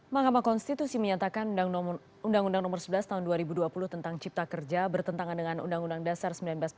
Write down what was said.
mahkamah konstitusi menyatakan undang undang nomor sebelas tahun dua ribu dua puluh tentang cipta kerja bertentangan dengan undang undang dasar seribu sembilan ratus empat puluh lima